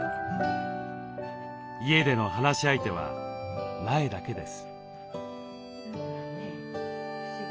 家での話し相手は苗だけです。